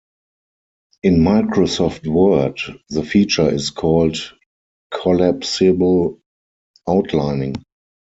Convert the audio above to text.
In Microsoft word, the feature is called "collapsible outlining".